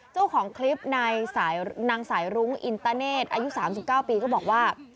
เจ้าของคลิปนายสายรุ้งอินตาเนศอายุ๓๙ปีก็บอกว่า